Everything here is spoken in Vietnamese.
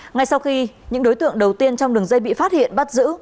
ngay sau khi những đối tượng đầu tiên trong đường dây bị phát hiện bắt giữ